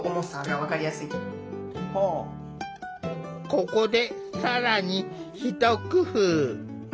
ここで更にひと工夫。